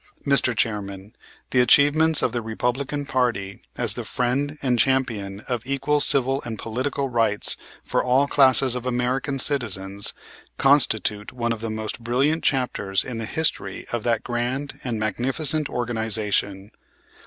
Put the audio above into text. Mr. Chairman, the achievements of the Republican party as the friend and champion of equal civil and political rights for all classes of American citizens, constitute one of the most brilliant chapters in the history of that grand and magnificent organization.